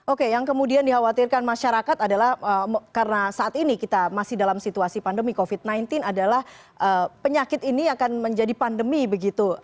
oke yang kemudian dikhawatirkan masyarakat adalah karena saat ini kita masih dalam situasi pandemi covid sembilan belas adalah penyakit ini akan menjadi pandemi begitu